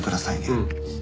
うん。